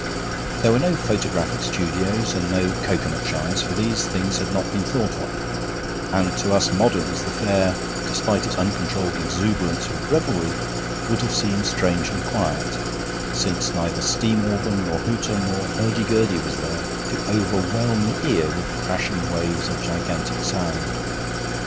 There were no photographic studios and no cocoanut shies, for these things had not been thought of; and to us moderns the fair, despite its uncontrolled exuberance of revelry, would have seemed strangely quiet, since neither steam organ nor hooter nor hurdy gurdy was there to overwhelm the ear with crashing waves of gigantic sound.